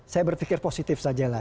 saya berpikir positif saja lah